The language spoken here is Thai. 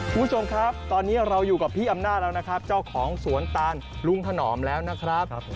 คุณผู้ชมครับตอนนี้เราอยู่กับพี่อำนาจแล้วนะครับเจ้าของสวนตาลลุงถนอมแล้วนะครับ